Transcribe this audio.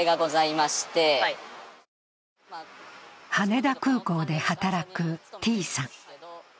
羽田空港で働くＴさん。